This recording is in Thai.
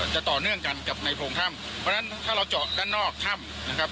จะต่อเนื่องกันกับในโพรงถ้ำเพราะฉะนั้นถ้าเราเจาะด้านนอกถ้ำนะครับ